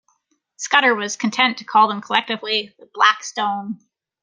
Scudder was content to call them collectively the “Black Stone”.